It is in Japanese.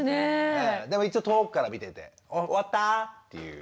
でも一応遠くから見てて「終わった？」っていう。